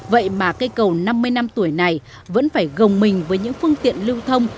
vậy mà cây cầu năm mươi năm tuổi này vẫn phải gồng mình với những phương tiện lưu thông